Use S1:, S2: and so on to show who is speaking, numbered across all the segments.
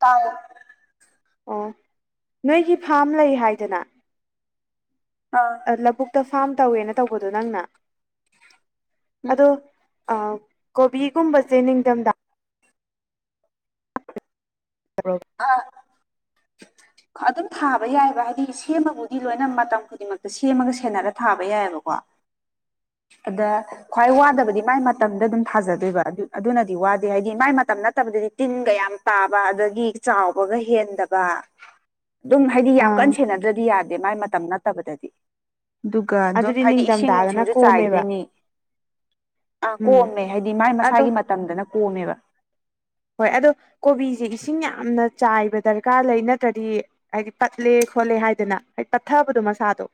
S1: ꯇꯥꯏꯌ
S2: ꯑꯣ ꯅꯣꯏꯒꯤ ꯐꯥꯔ꯭ꯝ ꯂꯩ ꯍꯥꯏꯗꯅ
S1: ꯑ
S2: ꯂꯧꯕꯨꯛꯇ ꯐꯥꯔ꯭ꯝ ꯇꯧꯋꯦꯅ ꯇꯧꯕꯗꯣ ꯅꯪꯅ
S1: ꯎꯝ
S2: ꯑꯗꯣ ꯀꯣꯕꯤꯒꯨꯝꯕꯁꯦ ꯅꯤꯡꯊꯝꯊꯥ ꯑꯣ [unintelligible]
S1: ꯍꯥ [unintelligible]
S2: [unintelligible]
S1: ꯑꯗꯨꯝ ꯊꯥꯕ ꯌꯥꯏꯑꯕ ꯍꯥꯏꯗꯤ ꯁꯦꯝꯕꯕꯨꯗꯤ ꯂꯣꯏꯅ ꯃꯇꯝ ꯈꯨꯗꯤꯡꯃꯛꯇ ꯁꯦꯝꯃꯒ ꯁꯦꯟꯅꯔꯒ ꯊꯥꯕ ꯌꯥꯏꯑꯕꯀꯣ ꯑꯗꯥ ꯈ꯭ꯋꯥꯏ ꯋꯥꯗꯕꯗꯤ ꯃꯥꯏ ꯃꯇꯝꯗ ꯑꯗꯨꯝ ꯊꯥꯖꯗꯣꯏꯕ ꯑꯗꯨ-ꯑꯗꯨꯅꯗꯤ ꯋꯥꯗꯦ ꯍꯥꯏꯗꯤ ꯃꯥꯏ ꯃꯇꯝ ꯅꯠꯇꯕꯗꯨꯗꯤ ꯇꯤꯟꯒ ꯌꯥꯝ ꯇꯥꯕ ꯑꯗꯒꯤ ꯆꯥꯎꯕꯒ ꯍꯦꯟꯗꯕ ꯑꯗꯨꯝ ꯍꯥꯏꯗꯤ ꯌꯥꯝ
S2: ꯑꯥ
S1: ꯀꯟꯅ ꯁꯦꯟꯅꯗ꯭ꯔꯗꯤ ꯌꯥꯗꯦ ꯃꯥꯏ ꯃꯇꯝ ꯅꯠꯇꯕꯗꯗꯤ ꯑꯗꯨꯒ ꯑꯗꯨꯝ
S2: ꯑꯗꯨꯗꯤ
S1: ꯍꯥꯏꯗꯤ ꯏꯁꯤꯡ
S2: ꯅꯤꯡꯊꯝꯊꯥꯗꯅ
S1: ꯅꯨꯡꯁꯤꯡꯖꯨ
S2: ꯀꯣꯝꯃꯦꯕ
S1: ꯑꯥ
S2: ꯎꯝ
S1: ꯀꯣꯝꯃꯦ ꯍꯥꯏꯗꯤ ꯃꯥꯏ
S2: ꯑꯗꯣ
S1: ꯃꯁꯥꯒꯤ ꯃꯇꯝꯗꯅ ꯀꯣꯝꯃꯦꯕ
S2: ꯍꯣꯏ ꯑꯗꯣ ꯀꯣꯕꯤꯖꯦ ꯏꯁꯤꯡ ꯌꯥꯝꯅ ꯆꯥꯏꯕ ꯗ꯭ꯔꯀꯥꯔ ꯂꯩ ꯅꯠꯇ꯭ꯔꯗꯤ ꯍꯥꯏꯗꯤ ꯄꯠꯂꯦ ꯈꯣꯠꯂꯦ ꯍꯥꯏꯗꯅ ꯍꯥꯏ ꯄꯠꯊꯕꯗꯣ ꯃꯁꯥꯗꯣ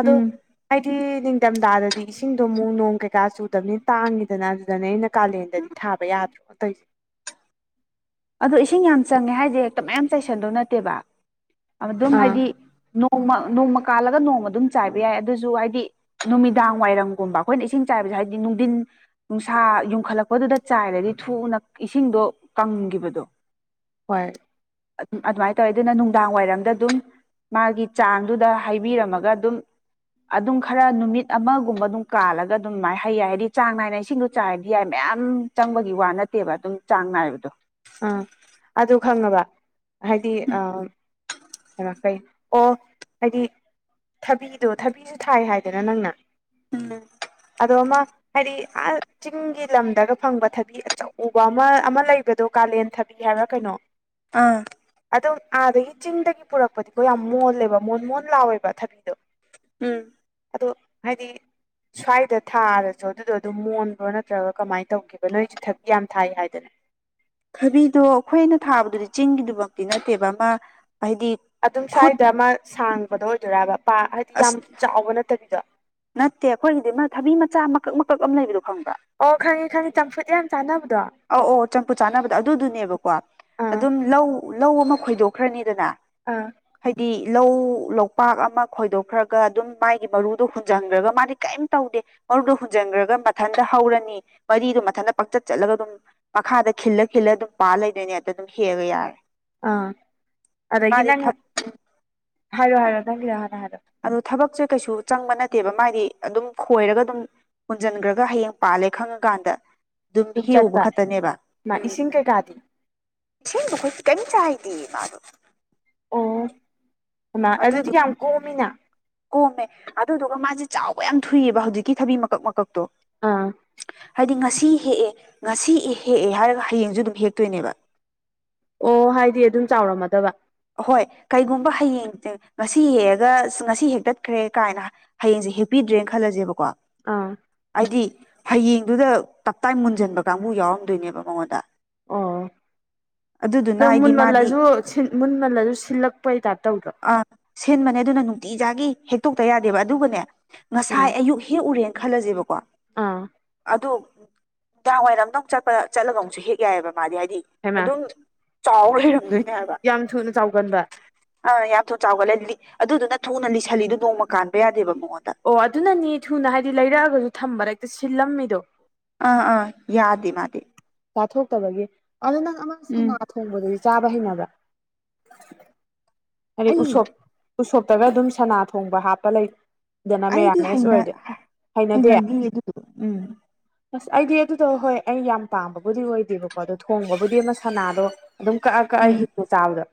S2: ꯑꯗꯣ
S1: ꯎꯝ
S2: ꯍꯥꯏꯗꯤ ꯅꯤꯡꯗꯝꯗꯥꯗꯗꯤ ꯏꯁꯤꯡꯗꯣ ꯑꯃꯨꯛ ꯅꯣꯡ ꯀꯩꯀꯥ ꯆꯨꯗꯕꯅꯤꯅ ꯇꯥꯡꯉꯤꯗꯅ ꯑꯗꯨꯗꯅꯦ ꯑꯩꯅ ꯀꯥꯂꯦꯟꯗꯗꯤ ꯊꯥꯕ ꯌꯥꯗ꯭ꯔꯤꯕ ꯇꯩꯏꯖꯦ
S1: ꯑꯗꯣ ꯏꯁꯤꯡ ꯌꯥꯝ ꯆꯪꯉꯦ ꯍꯥꯏꯗꯤ ꯍꯦꯛꯇ ꯃꯌꯥꯝ ꯆꯥꯏꯁꯟꯗꯧ ꯅꯠꯇꯦꯕ ꯑꯗꯨꯝ
S2: ꯑꯥ
S1: ꯍꯥꯏꯗꯤ ꯅꯣꯡꯃ ꯅꯣꯡꯃ ꯀꯥꯜꯂꯒ ꯅꯣꯡꯃ ꯑꯗꯨꯝ ꯆꯥꯏꯕ ꯌꯥꯏ ꯑꯗꯨꯁꯨ ꯍꯥꯏꯗꯤ ꯅꯨꯃꯤꯗꯥꯡ ꯋꯥꯏꯔꯝꯒꯨꯝꯕ ꯑꯩꯈꯣꯏꯅ ꯏꯁꯤꯡ ꯆꯥꯏꯕꯖꯦ ꯍꯥꯏꯗꯤ ꯅꯨꯡꯗꯤꯟ ꯅꯨꯡꯁꯥ ꯌꯨꯡꯈꯠꯂꯛꯄꯗꯨꯗ ꯆꯥꯏꯔꯗꯤ ꯊꯨꯅ ꯏꯁꯤꯡꯗꯣ ꯀꯪꯒꯤꯕꯗꯣ
S2: ꯍꯣꯏ
S1: ꯑꯗꯨꯝ-ꯑꯗꯨꯃꯥꯏꯅ ꯇꯧꯋꯦ ꯑꯗꯨꯅ ꯅꯨꯡꯗꯥꯡ ꯋꯥꯏꯔꯝꯗ ꯑꯗꯨꯝ ꯃꯥꯒꯤ ꯆꯥꯡꯗꯨꯗ ꯍꯩꯏꯕꯤꯔꯝꯃꯒ ꯑꯗꯨꯝ ꯑꯗꯨꯝ ꯈꯔ ꯅꯨꯃꯤꯠ ꯑꯃꯒꯨꯝꯕ ꯑꯗꯨꯝ ꯀꯥꯜꯂꯒ ꯑꯗꯨꯝ ꯃꯥꯏ ꯍꯩꯌꯥꯏ ꯍꯥꯏꯗꯤ ꯆꯥꯡ ꯅꯥꯏꯅ ꯏꯁꯤꯡꯗꯨ ꯆꯥꯏꯕꯗꯤ ꯌꯥꯏ ꯃꯌꯥꯝ ꯆꯪꯕꯒꯤ ꯋꯥ ꯅꯠꯇꯦꯕ ꯑꯗꯨꯝ ꯆꯥꯡ ꯅꯥꯏꯕꯗꯣ
S2: ꯑꯥ ꯑꯗꯨ ꯈꯪꯉꯕ ꯍꯥꯏꯗꯤ ꯑꯥ ꯍꯩꯃ ꯀꯩ ꯑꯣ ꯍꯥꯏꯗꯤ ꯊꯕꯤꯗꯣ ꯊꯕꯤꯖꯨ ꯊꯥꯏ ꯍꯥꯏꯗꯅ ꯅꯪꯅ
S1: ꯎꯝ
S2: ꯑꯗꯣ ꯑꯃ ꯍꯥꯏꯗꯤ ꯑꯥ ꯆꯤꯡꯒꯤ ꯂꯝꯗꯒ ꯐꯪꯕ ꯊꯕꯤ ꯑꯆꯧꯕ ꯑꯃ-ꯑꯃ ꯂꯩꯕꯗꯣ ꯀꯥꯂꯦꯟ ꯊꯕꯤ ꯍꯥꯏꯕ꯭ꯔꯥ ꯀꯩꯅꯣ
S1: ꯑꯥ
S2: ꯑꯗꯨꯝ ꯑꯥꯗꯒꯤ ꯆꯤꯡꯗꯒꯤ ꯄꯨꯔꯛꯄꯗꯤꯀꯣ ꯌꯥꯝ ꯃꯣꯜꯂꯦꯕ ꯃꯣꯟ-ꯃꯣꯟ ꯂꯥꯎꯋꯦꯕ ꯊꯕꯤꯗꯣ
S1: ꯎꯝ
S2: ꯑꯗꯣ ꯍꯥꯏꯗꯤ ꯁ꯭ꯋꯥꯏꯗ ꯊꯥꯔꯖꯨ ꯑꯗꯨꯗꯣ ꯑꯗꯨꯝ ꯃꯣꯟꯕ꯭ꯔꯣ ꯅꯠꯇ꯭ꯔꯒ ꯀꯃꯥꯏꯅ ꯇꯧꯒꯦꯕ ꯅꯣꯏꯁꯨ ꯊꯕꯤ ꯌꯥꯝ ꯊꯥꯏ ꯍꯥꯏꯗꯅ
S1: ꯊꯕꯤꯗꯣ ꯑꯩꯈꯣꯏꯅ ꯊꯥꯕꯗꯨꯗꯤ ꯆꯤꯡꯒꯤꯗꯨꯃꯛꯇꯤ ꯅꯠꯇꯦꯕ ꯑꯃ ꯍꯥꯏꯗꯤ
S2: ꯑꯗꯨꯝ
S1: ꯈꯨꯠ
S2: ꯁ꯭ꯋꯥꯏꯗ ꯑꯃ ꯁꯥꯡꯕꯗꯣ ꯑꯣꯏꯗꯣꯏꯔꯕ ꯄꯥ ꯍꯥꯏꯗꯤ
S1: ꯑꯁ
S2: ꯌꯥꯝ ꯆꯥꯎꯕ ꯅꯠꯇꯕꯤꯗꯣ
S1: ꯅꯠꯇꯦ ꯑꯩꯈꯣꯏꯒꯤꯗꯤ ꯊꯕꯤ ꯃꯆꯥ ꯃꯀꯛ-ꯃꯀꯛ ꯑꯃ ꯂꯩꯕꯗꯣ ꯈꯪꯕ꯭ꯔꯥ
S2: ꯑꯣ ꯈꯪꯉꯤ'ꯈꯪꯉꯤ ꯆꯝꯐꯨꯠ ꯌꯥꯝ ꯆꯥꯟꯅꯕꯗꯣ
S1: ꯑꯧ-ꯑꯧ ꯆꯝꯐꯨꯠ ꯆꯥꯟꯅꯕꯗꯣ ꯑꯗꯨꯗꯨꯅꯦꯕꯀꯣ
S2: ꯑꯥ
S1: ꯑꯗꯨꯝ ꯂꯧ-ꯂꯧ ꯑꯃ ꯈꯣꯏꯗꯣꯛꯈ꯭ꯔꯅꯤꯗꯅ
S2: ꯑꯥ
S1: ꯍꯥꯏꯗꯤ ꯂꯧ ꯂꯣꯛꯄꯥꯛ ꯑꯃ ꯈꯣꯏꯗꯣꯛꯈ꯭ꯔꯒ ꯑꯗꯨꯝ ꯃꯥꯥꯏꯒꯤ ꯃꯔꯨꯗꯣ ꯍꯨꯟ ꯍꯨꯟꯖꯟꯒ꯭ꯔꯒ ꯃꯥꯗꯤ ꯀꯔꯤꯝ ꯇꯧꯗꯦ ꯃꯔꯨꯗ ꯍꯨꯟꯖꯟꯒ꯭ꯔꯒ ꯃꯊꯟꯇ ꯍꯧꯔꯅꯤ ꯃꯔꯤꯗꯣ ꯃꯊꯟꯗ ꯄꯪꯆꯠ-ꯆꯠꯂꯒ ꯑꯗꯨꯝ ꯃꯈꯥꯗ ꯈꯤꯜꯂ-ꯈꯤꯜꯂ ꯑꯗꯨꯝ ꯄꯥꯜ ꯂꯩꯗꯣꯏꯅꯦ ꯑꯗꯗꯨꯝ ꯍꯦꯛꯑꯒ ꯌꯥꯔꯦ
S2: ꯑꯥ ꯑꯗꯒꯤ
S1: ꯃꯥꯗꯤ
S2: ꯅꯪꯅ
S1: ꯊꯕ
S2: ꯍꯥꯏꯔꯣ-ꯍꯥꯏꯔꯣ ꯅꯪꯒꯤꯗꯣ ꯍꯥꯟꯅ ꯍꯥꯏꯔꯣ
S1: ꯑꯗꯨ ꯊꯕꯛꯁꯦ ꯀꯩꯁꯨ ꯆꯪꯕ ꯅꯠꯇꯦꯕ ꯃꯥꯗꯤ ꯑꯗꯨꯝ ꯈꯣꯏꯔꯒ ꯑꯗꯨꯝ ꯍꯨꯟꯖꯤꯟꯒ꯭ꯔꯒ ꯍꯌꯦꯡ ꯄꯥꯜꯂꯦ ꯈꯪꯉꯀꯥꯟꯗ ꯑꯗꯨꯝ ꯍꯦꯛꯎꯕ ꯎꯕ ꯈꯛꯇꯅꯦꯕ
S2: ꯃꯥ ꯏꯁꯤꯡ ꯀꯩꯀꯥꯗꯤ
S1: ꯢꯁꯤꯡ ꯃꯈꯣꯏꯖꯨ ꯀꯩꯌꯤꯝ ꯆꯥꯏꯗꯤꯌꯦ ꯃꯥꯗꯨ
S2: ꯑꯣ ꯍꯩꯃꯩ ꯑꯗꯨꯗꯤ
S1: ꯑꯗꯨꯗꯣ
S2: ꯀꯌꯥꯝ ꯀꯣꯝꯃꯤꯅ
S1: ꯀꯣꯝꯃꯦ ꯑꯗꯨꯗꯨꯒ ꯃꯥꯖꯦ ꯆꯥꯎꯕ ꯌꯥꯝ ꯊꯨꯏꯑꯕ ꯍꯧꯖꯤꯛꯀꯤ ꯊꯕꯤ ꯃꯀꯛ-ꯃꯀꯛꯇꯣ
S2: ꯑꯥ
S1: ꯍꯥꯏꯗꯤ ꯉꯁꯤ ꯍꯦꯛꯑꯦ ꯉꯁꯤ ꯑꯦ ꯍꯦꯛꯑꯦ ꯍꯥꯏꯔꯒ ꯍꯌꯦꯡꯁꯨ ꯑꯗꯨꯝ ꯍꯦꯛꯇꯣꯏꯅꯦꯕ
S2: ꯑꯣ ꯍꯥꯏꯗꯤ ꯑꯗꯨꯝ ꯆꯥꯎꯔꯝꯃꯗꯕ
S1: ꯑꯍꯣꯏ ꯀꯩꯒꯨꯝꯕ ꯍꯌꯦꯡ ꯉꯁꯤ ꯍꯦꯛꯑꯒ ꯉꯁꯤ ꯍꯦꯛꯇꯠꯈ꯭ꯔꯦ ꯀꯥꯏꯅ ꯍꯌꯦꯡꯁꯦ ꯍꯦꯞꯄꯤꯗ꯭ꯔꯦꯅ ꯈꯜꯂꯁꯦꯕꯀꯣ
S2: ꯑꯥ
S1: ꯍꯥꯏꯗꯤ ꯍꯌꯦꯡꯗꯨꯗ ꯇꯞꯇꯥꯏ ꯃꯨꯟꯁꯤꯟꯕ ꯀꯥꯡꯕꯨ ꯌꯥꯎꯔꯝꯗꯣꯏꯅꯦꯕ ꯃꯉꯣꯟꯗ
S2: ꯑꯣ
S1: ꯑꯗꯨꯗꯨꯅ ꯍꯥꯏꯗꯤ ꯃꯥꯗꯤ
S2: ꯁꯤ ꯃꯨꯟꯃꯜꯂꯁꯨ ꯁꯤꯜꯂꯛꯄꯩ ꯇꯥꯏꯞꯇꯧꯗ꯭ꯔꯣ
S1: ꯑ ꯁꯦꯝꯕꯅꯦ ꯑꯗꯨꯅ ꯅꯨꯡꯇꯤꯖꯥꯒꯤ ꯍꯦꯛꯇꯣꯛꯇ ꯌꯥꯗꯦꯕ ꯑꯗꯨꯒꯅꯦ
S2: ꯑꯥ
S1: ꯉꯁꯥꯏ ꯑꯌꯨꯛ ꯍꯦꯛ ꯎꯔꯦꯅ ꯈꯜꯂꯁꯦꯕꯀꯣ
S2: ꯑꯥ
S1: ꯑꯗꯨ ꯅꯨꯡꯗꯥꯡ ꯋꯥꯏꯔꯝ ꯑꯃꯇ ꯑꯃꯨꯛ ꯆꯠꯄ ꯆꯠꯂꯒ ꯑꯃꯨꯛꯁꯨ ꯍꯦꯛ ꯌꯥꯏꯑꯕ ꯃꯥꯗꯤ ꯍꯥꯏꯗꯤ
S2: ꯍꯩꯃꯥ
S1: ꯑꯗꯨꯝ ꯆꯥꯎ ꯑꯗꯨꯅꯦꯗ
S2: ꯌꯥꯝ ꯊꯨꯅ ꯆꯥꯎꯒꯟꯕ
S1: ꯑ ꯌꯥꯝ ꯊ ꯆꯥꯎꯒꯠꯂ ꯑꯗꯨꯗꯨꯅ ꯊꯨꯅ ꯂꯤꯁꯜꯂꯤꯗꯨꯣ ꯅꯣꯡꯃ ꯀꯥꯟꯕ ꯌꯥꯗꯦꯕ ꯃꯉꯣꯟꯗ
S2: ꯑꯣ ꯑꯗꯨꯅꯅꯦ ꯊꯨꯅ ꯍꯥꯏꯗꯤ ꯂꯩꯔꯛꯑꯒꯁꯨ ꯊꯝꯕ ꯍꯦꯛꯇ ꯁꯤꯜꯂꯝꯃꯤꯗꯣ
S1: ꯑꯥ ꯑꯥ ꯌꯥꯗꯦ ꯃꯥꯗꯤ
S2: ꯇꯥꯊꯣꯛꯇꯕꯒꯤ ꯑꯗꯨ ꯅꯪ ꯑꯃ
S1: ꯎꯝ
S2: ꯊꯣꯡꯕꯗꯗꯤ ꯆꯥꯕ ꯍꯩꯅꯕ ꯑꯗꯩ
S1: ꯑꯩ
S2: ꯎꯁꯣꯞ ꯎꯁꯣꯞꯇꯒ ꯑꯗꯨꯝ ꯁꯅꯥ ꯊꯣꯡꯕ ꯍꯥꯞꯄ ꯂꯩ ꯗꯅ
S1: ꯑꯩꯗꯤ
S2: ꯃꯦꯔꯥꯃꯦꯁ
S1: ꯍꯩꯅ
S2: ꯑꯣꯏꯔꯗꯤ ꯍꯩꯅꯗꯦ
S1: ꯍꯩꯅꯒꯤ ꯑꯗꯨꯗꯣ ꯎꯝ
S2: ꯑꯁ ꯑꯩꯗꯤ ꯑꯗꯨꯗꯣ ꯍꯣꯏ ꯑꯩ ꯌꯥꯝ ꯄꯥꯝꯕꯕꯨꯗꯤ ꯑꯣꯏꯗꯦꯕꯀꯣ ꯑꯗꯣ ꯊꯣꯡꯕꯕꯨꯗꯤ ꯑꯃ ꯁꯅꯥꯗꯣ ꯑꯗꯨꯝ ꯀꯛꯑ ꯀꯛꯑ
S1: ꯎꯝ
S2: ꯍꯤꯡꯉ ꯆꯥꯕꯗꯣ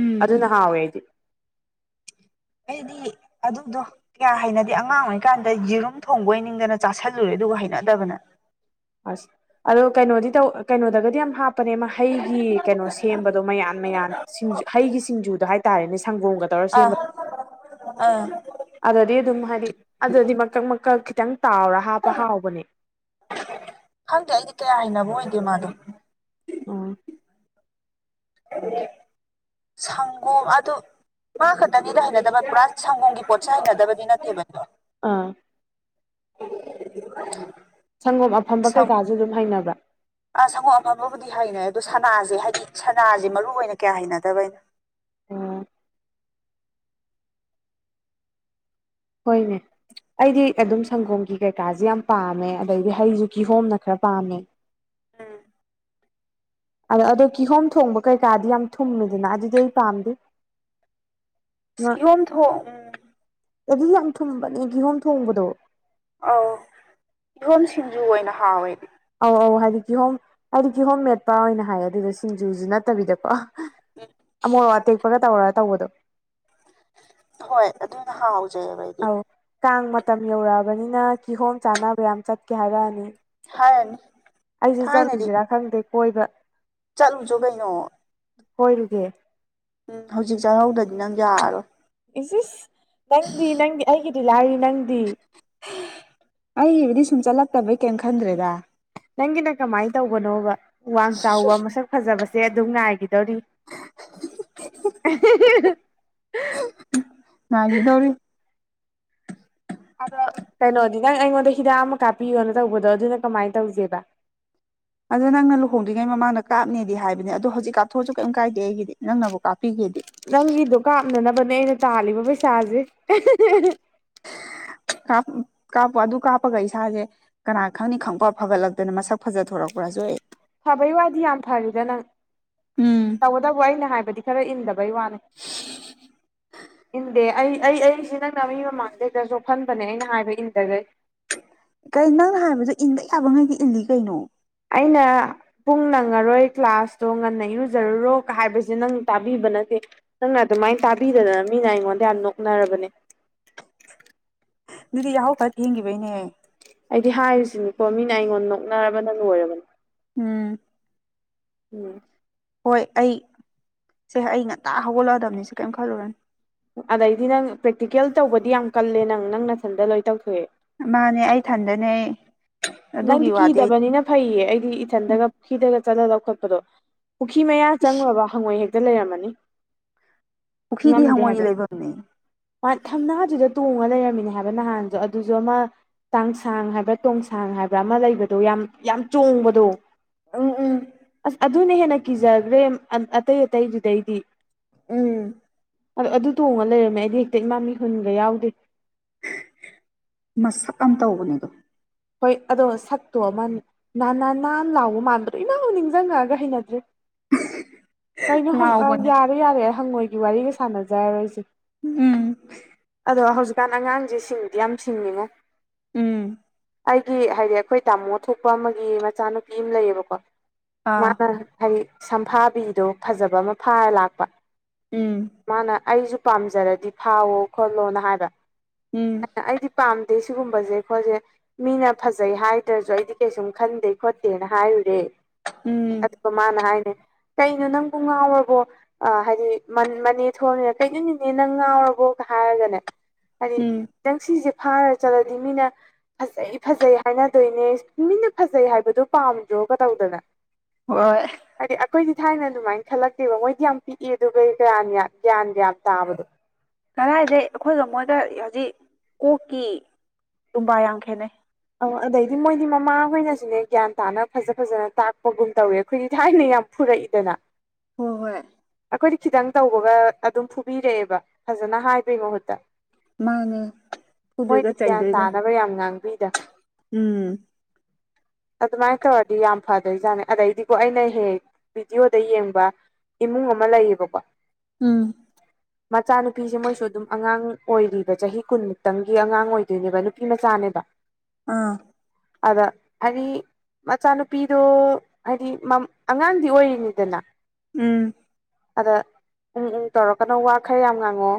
S1: ꯎꯝ
S2: ꯑꯗꯨꯅ ꯍꯥꯎꯋꯦ ꯑꯩꯗꯤ
S1: ꯑꯩꯗꯤ ꯑꯗꯨꯗꯣ ꯀꯌꯥ ꯍꯥꯏꯅꯗꯦ ꯑꯉꯥꯡ ꯑꯣꯏꯔꯤꯀꯥꯟꯗ ꯌꯦꯔꯨꯝ ꯊꯣꯡꯕ ꯑꯣꯏꯅꯤꯡꯗꯅ ꯆꯥꯥꯁꯜꯂꯨꯔꯦ ꯑꯗꯨꯒ ꯍꯅꯗꯕꯅ
S2: ꯑꯁ ꯑꯗꯣ ꯀꯩꯅꯣꯗꯤ ꯇꯧ ꯀꯩꯅꯣꯗꯒꯗꯤ ꯌꯥꯝ ꯍꯥꯞꯄꯅꯦ ꯃꯍꯩꯒꯤ ꯀꯩꯅꯣ ꯁꯦꯝꯕꯗꯣ ꯃꯌꯥꯟ ꯃꯌꯥꯟ ꯁꯤꯡꯖꯨ ꯍꯩꯒꯤ ꯁꯤꯡꯖꯨꯗꯣ ꯍꯥꯏꯇꯥꯔꯦꯅꯦ ꯁꯪꯒꯣꯝꯒ ꯇꯧꯔꯒ ꯁꯦꯝꯕꯗ
S1: ꯑꯥ ꯑꯥ
S2: ꯑꯗꯨꯗꯗꯤ ꯑꯗꯨꯝ ꯍꯥꯏꯗꯤ ꯑꯗꯨꯗꯗꯤ ꯃꯀꯛ ꯃꯀꯛ ꯈꯤꯇꯪ ꯇꯥꯎꯔ ꯍꯥꯞꯄ ꯍꯥꯎꯕꯅꯦ
S1: ꯈꯪꯗꯦ ꯑꯩꯗꯤ ꯀꯌꯥ ꯍꯅꯕ ꯑꯣꯏꯗꯦ ꯃꯥꯗꯣ
S2: ꯑꯣ
S1: ꯁꯪꯒꯣꯝ ꯑꯗꯨ ꯃꯥ ꯈꯛꯇꯅꯤꯗ ꯍꯩꯅꯗꯕ ꯄꯨꯔꯥ ꯁꯪꯒꯣꯝꯒꯤ ꯄꯣꯠꯁ ꯍꯩꯅꯗꯕꯗꯤ ꯅꯠꯇꯦꯕꯗꯣ
S2: ꯑꯥ
S1: [unintelligible]
S2: ꯁꯪꯒꯣꯝ ꯑꯐꯝꯕ ꯀꯩꯀꯥꯁꯨ ꯑꯗꯨꯝ ꯍꯩꯅꯕ꯭ꯔꯥ
S1: ꯑ ꯁꯪꯒꯣꯝ ꯑꯐꯝꯝꯕꯕꯨꯗꯤ ꯍꯩꯅꯩ ꯑꯗꯣ ꯁꯅꯥꯁꯦ ꯍꯥꯏꯗꯤ ꯁꯅꯥꯁꯦ ꯃꯔꯨꯏ ꯑꯣꯏꯅ ꯀꯌꯥ ꯍꯩꯅꯗꯕꯅꯣ
S2: ꯑ ꯍꯣꯏꯅꯦ ꯑꯩꯗꯤ ꯑꯗꯨꯝ ꯁꯪꯒꯣꯝꯒꯤ ꯀꯩꯀꯥꯁꯦ ꯌꯥꯝ ꯄꯥꯝꯃꯦ ꯑꯗꯩꯗꯤ ꯍꯩꯁꯨ ꯀꯤꯍꯣꯝꯅ ꯈꯔ ꯄꯥꯝꯃꯦ
S1: ꯎꯝ
S2: ꯑꯗꯣ ꯑꯗꯣ ꯀꯤꯍꯣꯝ ꯊꯣꯡꯕ ꯀꯩꯀꯥꯗꯤ ꯌꯥꯝ ꯊꯨꯝꯃꯦꯗꯅ ꯑꯗꯨꯗꯤ ꯑꯩ ꯄꯥꯝꯗꯦ
S1: ꯀꯤꯍꯣꯝ ꯊ
S2: ꯑꯗꯨꯗꯤ ꯌꯥꯝ ꯊꯨꯝꯕꯅꯦ ꯀꯤꯍꯣꯝ ꯊꯣꯡꯕꯗꯣ
S1: ꯑꯧ ꯏꯤꯍꯣꯝ ꯁꯤꯡꯖꯨ ꯑꯣꯏꯅ ꯍꯥꯎꯋꯦꯗꯤ
S2: ꯑꯧ ꯑꯧ ꯍꯥꯏꯗꯤꯀꯤ ꯍꯣꯝ ꯍꯥꯏꯗꯤꯀꯤ ꯍꯣꯝ ꯃꯦꯠ ꯄꯥ ꯑꯣꯏꯅ ꯍꯥꯏ ꯑꯗꯨꯗ ꯁꯤꯡꯖꯨꯁꯨ ꯅꯠꯇꯕꯤꯗꯀꯣ ꯑꯃꯣꯠꯣ ꯑꯇꯦꯛꯄꯒ ꯇꯧꯔꯒ ꯇꯧꯕꯗꯣ
S1: ꯍꯣꯏ ꯑꯗꯨꯅ ꯍꯥꯎꯖꯩꯑꯕ ꯑꯩꯗꯤ
S2: ꯑꯧ ꯀꯥꯡ ꯃꯇꯝ ꯌꯧꯔꯛꯑꯕꯅꯤꯅ ꯀꯤꯍꯣꯝ ꯆꯥꯅꯕ ꯌꯥꯝ ꯆꯠꯀꯦ ꯍꯥꯏꯔꯛꯑꯅꯤ
S1: ꯍꯥꯏꯔꯅꯤ
S2: ꯑꯩꯁꯦ ꯆꯠꯂꯨꯁꯤꯔꯥ ꯈꯪꯗꯦ ꯀꯣꯏꯕ
S1: ꯆꯠꯂꯨ ꯆꯣ ꯀꯩꯅꯣ
S2: ꯀꯣꯏꯔꯨꯒꯦ
S1: ꯎꯝ ꯍꯧꯖꯤꯛ ꯆꯥꯛꯍꯧꯗꯗꯤ ꯅꯪ ꯌꯥꯔꯔꯣꯏ
S2: ꯏꯁ ꯑꯦꯁ ꯅꯪꯗꯤ ꯅꯪꯗꯤ ꯑꯩꯒꯤꯗꯤ ꯂꯥꯏꯔꯤ ꯅꯪꯗꯤ
S1: ꯑꯩꯕꯨꯗꯤ ꯁꯨꯝ ꯆꯠꯂꯛꯇꯕꯩ ꯀꯔꯤꯝ ꯈꯟꯗ꯭ꯔꯦꯗ
S2: ꯅꯪꯒꯤꯅ ꯀꯃꯥꯏꯅ ꯇꯧꯕꯅꯣꯕ ꯋꯥꯡ ꯆꯥꯎꯕ ꯃꯁꯛ ꯐꯖꯕꯁꯦ ꯑꯗꯨꯝ ꯉꯥꯏꯈꯤꯗꯧꯔꯤ
S1: ꯃꯥꯒꯤ ꯇꯧꯔꯤ
S2: ꯑꯗꯣ ꯀꯩꯅꯣꯗꯤ ꯅꯪ ꯑꯩꯉꯣꯟꯗ ꯍꯤꯗꯥꯛ ꯑꯃ ꯀꯥꯞꯄꯤꯌꯣꯅ ꯇꯧꯕꯗꯣ ꯑꯗꯨꯅ ꯀꯃꯥꯏꯅ ꯇꯧꯁꯦꯕ
S1: ꯑꯗꯣ ꯅꯪ ꯂꯨꯍꯣꯡꯗ꯭ꯔꯤꯉꯩ ꯃꯃꯥꯡꯗ ꯀꯥꯞꯅꯦꯗꯤ ꯍꯥꯏꯕꯅꯦ ꯑꯗꯣ ꯍꯧꯖꯤꯛ ꯀꯥꯞꯊꯣꯛꯑꯁꯨ ꯀꯔꯤꯝ ꯀꯥꯏꯗꯦ ꯑꯩꯒꯤꯗꯤ ꯅꯪꯅꯕꯨ ꯀꯥꯞꯄꯤꯒꯦꯗꯤ
S2: ꯅꯪꯒꯤꯗꯣ ꯀꯥꯞꯅꯅꯕꯅꯦ ꯑꯩꯅ ꯇꯥꯜꯂꯤꯕ ꯄꯩꯁꯥꯁꯦ
S1: ꯀꯥꯞꯄ ꯑꯗꯨ ꯀꯥꯞꯄꯒ ꯏꯁꯥꯁꯦ ꯀꯅꯥ ꯈꯪꯅꯤ ꯈꯪꯕ ꯐꯒꯠꯂꯛꯇꯅ ꯃꯁꯛ ꯐꯖꯗꯣꯔꯛꯄ꯭ꯔꯥꯁꯨ ꯑꯦ
S2: ꯐꯕꯩ ꯋꯥꯗꯤ ꯌꯥꯝ ꯐꯔꯗ ꯅꯪ
S1: ꯎꯝ
S2: ꯇꯧꯒꯗꯕꯨ ꯑꯩꯅ ꯍꯥꯏꯕꯗꯤ ꯈꯔ ꯏꯟꯗꯕꯩ ꯋꯥꯅꯦ ꯏꯟꯗꯦ ꯑꯩ ꯑꯩ ꯑꯩꯁꯤꯦ ꯅꯪꯅ ꯃꯤ ꯃꯃꯥꯡꯗꯩꯗꯁꯨꯍꯟꯕꯅꯦ ꯑꯩꯅ ꯍꯥꯏꯕ ꯏꯟꯗꯒꯩ
S1: ꯀꯩ ꯅꯪꯅ ꯍꯥꯏꯕꯗ ꯏꯟꯕ ꯌꯥꯕꯉꯩꯗꯤ ꯏꯜꯂꯤ ꯀꯩꯅꯣ
S2: ꯑꯩꯅ ꯄꯨꯡ ꯅꯪꯉꯔꯣꯏ ꯀ꯭ꯂꯥꯁꯇꯣ ꯉꯟꯅ ꯏꯔꯨꯖꯔꯨꯔꯣ ꯍꯥꯏꯕꯁꯦ ꯅꯪ ꯇꯥꯕꯤꯕ ꯅꯠꯇꯦ ꯅꯪꯅ ꯑꯗꯨꯃꯥꯏꯅ ꯇꯥꯕꯤꯗꯗꯅ ꯃꯤꯅ ꯑꯩꯉꯣꯟꯗ ꯌꯥꯝ ꯅꯣꯛꯅꯔꯕꯅꯦ
S1: ꯑꯗꯨꯗꯤ ꯌꯥꯍ ꯈꯔ ꯊꯦꯡꯈꯤꯕꯩꯅꯦ
S2: ꯑꯩꯗꯤ ꯍꯥꯏꯔꯤꯁꯤꯅꯤꯀꯣ ꯃꯤꯅ ꯑꯩꯉꯣꯟꯗ ꯅꯣꯛꯅꯔꯕꯅ ꯂꯣꯏꯔꯕꯅꯤ
S1: ꯎꯝ
S2: ꯎꯝ
S1: ꯍꯣꯏ ꯑꯩ ꯁꯦ ꯑꯩ ꯉꯟꯇꯥ ꯍꯧꯒꯠꯂꯛꯑꯗꯕꯅꯤꯁꯦ ꯀꯔꯤꯝ ꯈꯜꯂꯨꯔꯅꯤ
S2: ꯑꯗꯩꯗꯤ ꯅꯪ ꯄ꯭ꯔꯦꯛꯇꯤꯀꯦꯜ ꯇꯧꯕꯗꯤ ꯌꯥꯝ ꯀꯜꯂꯦ ꯅꯪ ꯅꯪ ꯅꯊꯟꯗ ꯂꯣꯏ ꯇꯧꯊꯣꯛꯑꯦ
S1: ꯃꯥꯅꯦ ꯑꯩꯊꯟꯗꯅꯦ
S2: ꯅꯪꯗꯤ ꯀꯤꯗꯕꯅꯤꯅ ꯐꯩꯌꯦ ꯑꯩꯗꯤ ꯏꯊꯟꯗꯒ ꯐꯤꯗꯒ ꯆꯠꯂ ꯂꯧꯈꯠꯄꯗꯣ ꯄꯨꯈꯤ ꯃꯌꯥ ꯆꯪꯪꯂꯨꯔꯕꯥ ꯍꯪꯉꯣꯏ ꯍꯦꯛꯇ ꯂꯩꯔꯝꯃꯅꯤ
S1: ꯄꯨꯈ꯭ꯔꯤꯗꯤ
S2: ꯉꯝꯗꯦ
S1: ꯍꯪꯉꯣꯏꯒꯤ ꯂꯩꯐꯝꯅꯦ
S2: ꯍꯥꯏꯕ ꯊꯝꯅꯥꯖꯤꯗ ꯇꯣꯡꯉ ꯂꯩꯔꯝꯃꯤꯅꯦ ꯍꯥꯏꯕ ꯅꯍꯥꯟꯁꯨ ꯑꯗꯨꯁꯨ ꯑꯃ ꯆꯥꯡꯁꯥꯡ ꯍꯥꯏꯕ꯭ꯔꯥ ꯇꯣꯡꯁ ꯊꯥꯡ ꯍꯥꯏꯕ꯭ꯔꯥ ꯑꯃ ꯂꯩꯕꯗꯣ ꯌꯥꯝ ꯌꯥꯝ ꯆꯣꯡꯕꯗꯣ
S1: ꯎꯝ ꯎꯝ
S2: ꯑꯁ ꯑꯗꯨꯅ ꯍꯦꯟꯅ ꯀꯤꯖꯈ꯭ꯔꯦ ꯑꯇꯩ ꯑꯇꯩꯗꯨꯗꯩꯗꯤ
S1: ꯎꯝ
S2: ꯑꯗꯣ ꯑꯗꯨ ꯇꯣꯡꯉ ꯂꯩꯔꯝꯃꯦ ꯑꯩꯗꯤ ꯍꯦꯛꯇ ꯏꯃꯥ ꯃꯤ ꯍꯨꯟꯒ ꯌꯥꯎꯗꯦ
S1: ꯃꯁꯛ ꯑꯃ ꯇꯧꯕꯅꯦ ꯑꯗꯣ
S2: ꯍꯣꯏ ꯑꯗꯣ ꯁꯛꯇꯣ ꯑꯃ ꯅꯅꯥ ꯅꯥꯟ ꯂꯥꯎꯕ ꯃꯟꯕꯗꯨ ꯑꯦꯃꯥꯑꯣ ꯅꯤꯡꯖꯪꯉꯥꯒ ꯍꯩꯅꯗ꯭ꯔꯤ ꯀꯩꯅꯣ
S1: ꯂꯥꯎꯕꯅꯦ
S2: ꯌꯥꯔꯦ ꯌꯥꯔꯦ ꯍꯪꯉꯣꯏꯒꯤ ꯋꯥꯔꯤꯒ ꯁꯥꯟꯅꯖꯔꯔꯣꯏꯁꯦ
S1: ꯎꯝ
S2: ꯑꯗꯣ ꯍꯧꯖꯤꯛꯀꯥꯟ ꯑꯉꯥꯡꯁꯦ ꯁꯤꯡꯗꯤ ꯌꯥꯝ ꯁꯤꯡꯉꯤꯉꯣ
S1: ꯎꯝ
S2: ꯑꯩꯒꯤ ꯍꯥꯏꯗꯤ ꯑꯩꯈꯣꯏ ꯇꯥꯃꯣ ꯊꯣꯛꯄ ꯑꯃꯒꯤ ꯃꯆꯥꯅꯨꯄꯤ ꯑꯃ ꯂꯩꯌꯦꯕꯀꯣ
S1: ꯑꯥ
S2: ꯃꯥꯅ ꯍꯥꯏꯗꯤ ꯁꯝꯐꯥꯕꯤꯗꯣ ꯐꯖꯕ ꯑꯃ ꯐꯥꯔ ꯂꯥꯛꯄ
S1: ꯎꯝ
S2: ꯃꯥꯅ ꯑꯩꯁꯨ ꯄꯥꯝꯖꯔꯗꯤ ꯐꯥꯎꯋꯣ ꯈꯣꯠꯂꯣꯅ ꯍꯥꯏꯕ
S1: ꯎꯝ
S2: ꯑꯩꯅ ꯑꯩꯗꯤ ꯄꯥꯝꯗꯦ ꯁꯤꯒꯨꯝꯕꯁꯦ ꯑꯩꯈꯣꯏꯁꯦ ꯃꯤꯅ ꯐꯖꯩ ꯍꯥꯏꯗ꯭ꯔꯁꯨ ꯑꯩꯗꯤ ꯀꯩꯁꯨꯝ ꯈꯟꯗꯦ ꯈꯣꯠꯇꯦꯅ ꯍꯥꯏꯔꯨꯔꯦ
S1: ꯎꯝ
S2: ꯑꯗꯨꯒ ꯃꯥꯅ ꯍꯥꯏꯅꯦ ꯀꯩꯅꯣ ꯅꯪꯕꯨ ꯉꯥꯎꯔꯕꯣ ꯑ ꯍꯥꯏꯗꯤ ꯃꯅꯦ ꯊꯣꯛꯅꯤꯅ ꯀꯩꯅꯣ ꯅꯤꯅꯦ ꯅꯪ ꯉꯥꯎꯔꯕꯣꯒ ꯍꯥꯏꯔꯒꯅꯦ ꯍꯥꯏꯗꯤ
S1: ꯎꯝ
S2: ꯅꯪ ꯁꯤꯁꯦ ꯐꯥꯔ ꯆꯠꯂꯗꯤ ꯃꯤꯅ ꯐꯖꯩ ꯐꯖꯩ ꯍꯥꯏꯅꯗꯣꯏꯅꯦ ꯃꯤꯅ ꯐꯖꯩ ꯍꯥꯏꯕꯗꯨ ꯄꯥꯝꯗ꯭ꯔꯣꯒ ꯇꯧꯗꯅ
S1: ꯍꯣꯏ
S2: ꯍꯥꯏꯗꯤ ꯑꯩꯈꯣꯏꯗꯤ ꯊꯥꯏꯅ ꯑꯗꯨꯃꯥꯏꯅ ꯈꯜꯂꯛꯇꯦꯕ ꯃꯣꯏꯗꯤ ꯌꯥꯝ ꯄꯤꯛꯏ ꯑꯗꯨꯒ ꯒ꯭ꯌꯥꯟꯒ ꯌꯥꯝ ꯇꯥꯕꯗꯣ
S1: ꯀꯗꯥꯏꯗꯩ ꯑꯩꯈꯣꯏꯒ ꯃꯣꯏꯗ ꯍꯧꯖꯤꯛ ꯀꯣꯛꯀꯤ ꯇꯨꯝꯕꯥ ꯌꯥꯝ ꯈꯦꯠꯅꯩ
S2: ꯑ ꯑꯗꯩꯗꯤ ꯃꯣꯏꯗꯤ ꯃꯃꯥ ꯍꯣꯏꯅꯁꯨꯅꯦ ꯒ꯭ꯌꯥꯟ ꯇꯥꯅ ꯐꯖ ꯐꯖꯅ ꯇꯥꯛꯄꯒꯨꯝ ꯇꯧꯔꯦ ꯑꯩꯈꯣꯏꯗꯤ ꯊꯥꯏꯅ ꯌꯥꯝ ꯐꯨꯔꯛꯏꯗꯅ
S1: ꯍꯣꯏ ꯍꯣꯏ
S2: ꯑꯩꯈꯣꯏꯗꯤ ꯈꯤꯇꯪ ꯇꯧꯕꯒ ꯑꯗꯨꯝ ꯐꯨꯕꯤꯔꯛꯑꯦꯕ ꯐꯖꯅ ꯍꯥꯏꯕꯩ ꯃꯍꯨꯠꯇ
S1: ꯃꯥꯅꯦ
S2: ꯃꯣꯏꯗꯤ
S1: ꯐꯨꯗꯣꯏꯒ
S2: ꯒ꯭ꯌꯥꯟ
S1: ꯆꯩꯗꯣꯏꯒ
S2: ꯇꯥꯅꯕ ꯌꯥꯝ ꯉꯥꯡꯕꯤꯗ
S1: ꯎꯝ
S2: ꯑꯗꯨꯃꯥꯏꯅ ꯇꯧꯔꯗꯤ ꯌꯥꯝ ꯐꯗꯣꯏꯖꯥꯠꯅꯤ ꯑꯗꯩꯗꯤꯀꯣ ꯑꯩꯅ ꯍꯦꯛ ꯍꯦꯛ ꯚꯤꯗꯤꯑꯣꯗ ꯌꯦꯡꯕ ꯏꯃꯨꯡ ꯑꯃ ꯂꯩꯌꯦꯕꯀꯣ
S1: ꯎꯝ
S2: [inaudible] ꯃꯆꯥꯅꯨꯄꯤꯁꯦ ꯃꯣꯏꯁꯨ ꯑꯗꯨꯝ ꯑꯉꯥꯡ ꯑꯣꯏꯔꯤꯕ ꯆꯍꯤ ꯀꯨꯟꯃꯨꯛꯇꯪꯒꯤ ꯑꯉꯥꯡ ꯑꯣꯏꯗꯣꯏꯅꯦꯕ ꯅꯨꯄꯤ ꯃꯆꯥꯅꯦꯕ
S1: ꯑꯥꯡ
S2: ꯑꯗ ꯍꯥꯢꯗꯤ ꯃꯆꯥꯅꯨꯄꯤꯗꯣ ꯍꯥꯏꯗꯤ ꯑꯉꯥꯡꯗꯤ ꯑꯣꯏꯔꯤꯅꯤꯗꯅ
S1: ꯎꯝ
S2: ꯑꯗ ꯎꯝ ꯎꯝ ꯇꯧꯔꯛꯀꯅꯣ ꯋꯥ ꯈꯔ ꯌꯥꯝ ꯉꯥꯡꯉꯛꯑꯣ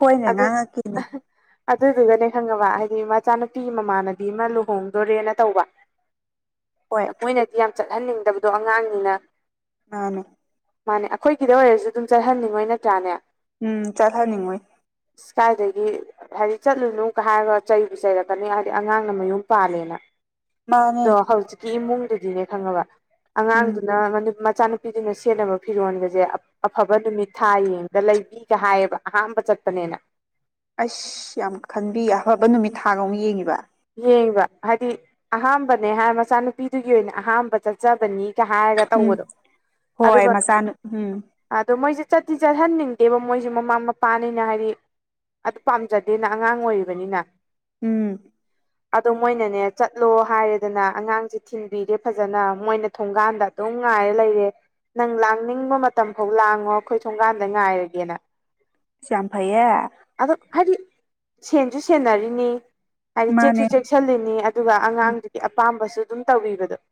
S1: ꯍꯣꯏꯅꯦ
S2: ꯑꯗꯨ
S1: ꯉꯥꯡꯉꯛꯈꯤꯅꯦ
S2: ꯑꯗꯨꯗꯨꯒꯅꯦ ꯈꯪꯉꯕ ꯍꯥꯏꯗꯤ ꯃꯆꯥꯅꯨꯄꯤ ꯃꯅꯕꯤ ꯑꯃ ꯂꯨꯍꯣꯡꯗꯣꯔꯦꯅ ꯇꯧꯕ
S1: ꯍꯣꯏ
S2: ꯃꯣꯏꯅ ꯌꯥꯝ ꯆꯠꯍꯟꯅꯤꯡꯗꯕꯗꯣ ꯑꯉꯥꯡꯅꯤꯅ
S1: ꯃꯥꯅꯦ
S2: ꯃꯥꯅꯦ ꯑꯩꯈꯣꯏꯒꯤꯗ ꯑꯣꯏꯔꯁꯨ ꯑꯗꯨꯝ ꯆꯠꯍꯟꯅꯤꯡꯉꯣꯏ ꯅꯠꯇ꯭ꯔꯥꯅꯦ
S1: ꯎꯝ ꯆꯠꯍꯟꯅꯤꯡꯉꯣꯏ
S2: ꯏꯁꯀꯥꯏꯗꯒꯤ ꯍꯥꯏꯗꯤ ꯆꯠꯂꯨꯅꯨꯒ ꯍꯥꯏꯔꯒ ꯆꯩꯕꯨ ꯆꯩꯔꯛꯀꯅꯤ ꯑꯉꯥꯡꯅ ꯃꯌꯨꯝ ꯄꯥꯜꯂꯦꯅ
S1: ꯃꯥꯅꯦ
S2: ꯑꯗꯣ ꯍꯧꯖꯤꯛꯀꯤ ꯏꯃꯨꯡꯗꯨꯗꯤꯅꯦ ꯈꯪꯉꯕ
S1: ꯎꯝ
S2: ꯑꯉꯥꯡꯗꯨꯅ ꯃꯆꯥꯅꯨꯄꯤ ꯄꯤꯗꯨꯅ ꯁꯦꯠꯅꯕ ꯐꯤꯔꯣꯟꯒꯁꯦ ꯑꯐꯕ ꯅꯨꯃꯤꯠ ꯊꯥ ꯌꯦꯡꯗ ꯂꯩꯕꯤ ꯍꯥꯏ ꯑꯍꯥꯟꯕ ꯆꯄꯅꯦꯅ
S1: ꯑꯁ ꯌꯥꯝ ꯈꯟꯕꯤ ꯑꯐꯕ ꯅꯨꯃꯤꯠ ꯊꯥꯒ ꯑꯃꯨꯛ ꯌꯦꯡꯉꯤꯕ
S2: ꯌꯦꯡꯕ ꯍꯥꯏꯗꯤ ꯑꯍꯥꯝꯕꯅꯦ ꯍꯥꯏ ꯃꯆꯥꯅꯨꯄꯤꯗꯨꯒꯤ ꯑꯣꯏꯅ ꯑꯍꯝꯕ ꯆꯠ ꯆꯕꯅꯤꯒ ꯍꯥꯏꯔꯒ
S1: ꯎꯝ
S2: ꯇꯧꯕꯗꯣ
S1: ꯍꯣꯏ
S2: ꯑꯗꯨꯒꯅꯩ
S1: ꯃꯆꯥꯅꯨ ꯎꯝ
S2: ꯑꯗꯣ ꯃꯣꯏꯁꯦ ꯆꯠꯇꯤ ꯆꯠꯍꯟꯅꯤꯡꯗꯦꯕ ꯃꯣꯏꯁꯦ ꯃꯃꯥ ꯃꯄꯥꯅꯤꯅ ꯍꯥꯏꯗꯤ ꯑꯗꯨ ꯄꯥꯝꯖꯗꯦꯅ ꯑꯉꯥꯡ ꯑꯣꯏꯔꯤꯕꯅꯤꯅ
S1: ꯎꯝ
S2: ꯑꯗꯣ ꯃꯣꯏꯅꯅꯦ ꯆꯠꯂꯣ ꯍꯥꯏꯔꯦꯗꯅ ꯑꯉꯥꯡꯁꯦ ꯊꯤꯟꯕꯤꯔꯦ ꯐꯖꯅ ꯃꯣꯏꯅ ꯊꯣꯡꯒꯥꯟꯗ ꯗꯨꯝ ꯉꯥꯏꯔꯦ ꯂꯩꯔꯦ ꯅꯪ ꯂꯥꯡꯅꯤꯡꯕ ꯃꯇꯝ ꯐꯥꯎ ꯂꯥꯡꯉꯣ ꯑꯩꯈꯣꯏ ꯊꯣꯡꯒꯥꯟꯗ ꯉꯥꯏꯔꯒꯦꯅ
S1: ꯏꯁ ꯌꯥꯝꯐꯩꯌꯦ
S2: ꯑꯗꯣ ꯍꯥꯏꯗꯤ ꯁꯦꯟꯁꯨ ꯁꯦꯟꯅꯔꯤꯅꯤ ꯍꯥꯏꯗꯤ ꯆꯦꯛꯁꯨ
S1: ꯃꯥꯅꯦ
S2: ꯆꯦꯛꯁꯤꯜꯂꯤꯅꯤ ꯑꯗꯨꯒ
S1: ꯎꯝ
S2: ꯑꯉꯥꯡꯗꯨꯒꯤ ꯑꯄꯥꯝꯕꯁꯨ ꯑꯗꯨꯝ ꯇꯧꯕꯤꯕꯗꯣ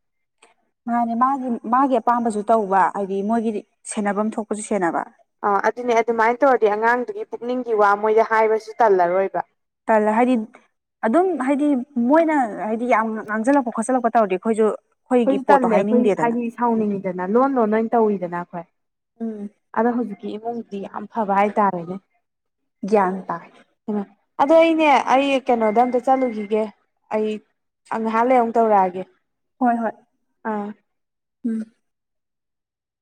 S1: ꯃꯥꯅꯦ ꯃꯥꯒꯤ ꯃꯥꯒꯤ ꯑꯄꯥꯝꯕꯁꯨ ꯇꯧꯕ ꯍꯥꯏꯗꯤ ꯃꯣꯏꯒꯤꯗꯤ ꯁꯦꯟꯅꯐꯝ ꯊꯣꯛꯄꯁꯨ ꯁꯦꯟꯅꯕ
S2: ꯑ ꯑꯗꯨꯅꯦ ꯑꯗꯨꯃꯥꯏꯅ ꯇꯧꯔꯗꯤ ꯑꯉꯥꯡꯗꯨꯒꯤ ꯄꯨꯛꯅꯤꯡꯒꯤ ꯋꯥ ꯃꯣꯏꯗ ꯍꯥꯏꯕꯁꯨ ꯇꯜꯂꯔꯣꯏꯕ
S1: ꯇꯜꯂ ꯍꯥꯏꯗꯤ ꯑꯗꯨꯝ ꯍꯥꯏꯗꯤ ꯃꯣꯏꯅ ꯍꯥꯏꯗꯤ ꯌꯥꯝ ꯉꯥꯡꯁꯤꯜꯂꯛꯄ ꯈꯣꯠꯆꯜꯂꯛꯄ ꯇꯧꯔꯗꯤ ꯑꯩꯈꯣꯏꯁꯨ ꯑꯩꯈꯣꯏꯒꯤ
S2: ꯑꯈꯣꯏꯁꯨ
S1: ꯄꯣꯠꯇꯣ
S2: ꯇꯜꯂꯦ ꯑꯈꯣꯏ
S1: ꯍꯥꯏꯅꯤꯡꯗꯦꯗꯅ
S2: ꯍꯥꯏꯗꯤ
S1: ꯎꯝ
S2: ꯁꯥꯎꯅꯤꯡꯉꯤꯗꯅ ꯂꯣꯟ ꯂꯣꯟ ꯑꯣꯏꯅ ꯇꯧꯋꯤꯗꯅ ꯑꯈꯣꯏ
S1: ꯎꯝ
S2: ꯑꯗꯣ ꯍꯧꯖꯤꯛꯀꯤ ꯏꯃꯨꯡꯗꯤ ꯌꯥꯝ ꯐꯕ ꯍꯥꯏꯇꯥꯔꯦꯅꯦ
S1: ꯒ꯭ꯌꯥꯟ ꯇꯥꯏ
S2: ꯍꯩꯃꯥ ꯑꯗꯣ ꯑꯩꯅꯦ ꯑꯩ ꯀꯩꯅꯣꯗ ꯑꯝꯇ ꯆꯠꯂꯨꯈꯤꯒꯦ ꯑꯩ ꯑ ꯉꯍꯥꯛ ꯂꯩꯔ ꯑꯃꯨꯛ ꯇꯧꯔꯛꯑꯒꯦ
S1: ꯍꯣꯏ ꯍꯣꯏ
S2: ꯑꯥ
S1: ꯎꯝ